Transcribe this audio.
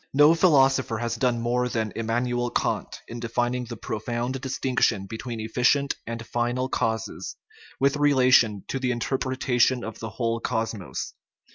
No philosopher has done more than Immanuel Kant in defining the profound distinction between efficient and final causes, with relation to the interpretation of the whole cosmos.